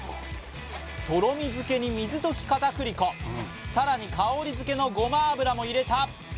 とろみづけに水溶き片栗粉、更に香りづけのごま油も入れた。